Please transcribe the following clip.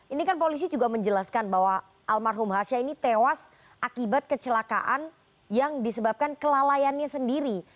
ini kan polisi juga menjelaskan bahwa almarhum hasha ini tewas akibat kecelakaan yang disebabkan kelalaiannya sendiri